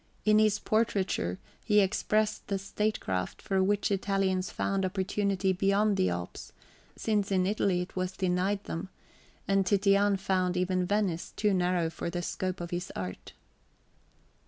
In his portraiture he expressed the statecraft for which Italians found opportunity beyond the Alps, since in Italy it was denied them; and Titian found even Venice too narrow for the scope of his art.